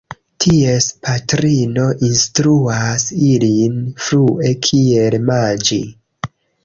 Ties patrino instruas ilin frue kiel manĝi.